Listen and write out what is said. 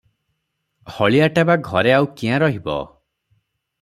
ହଳିଆଟା ବା ଘରେ ଆଉ କିଆଁ ରହିବ?